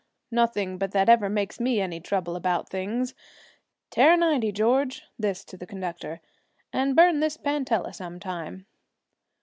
Nothing but that ever makes me any trouble about things. Tear ninety, George,' this to the conductor, 'and burn this panetella some time.